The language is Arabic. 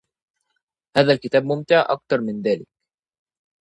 هذا الكتاب ممتع أكثر من ذاك.